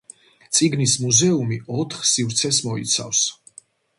წიგნის მუზეუმი ოთხ სივრცეს მოიცავს.